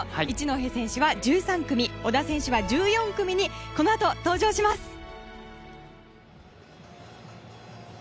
一戸選手は１３組、小田選手は１４組にこのあと登場します。